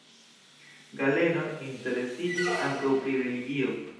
Galeno interesiĝis ankaŭ pri religio.